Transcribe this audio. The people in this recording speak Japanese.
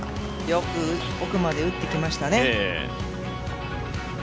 よく奥まで打ってきましたね。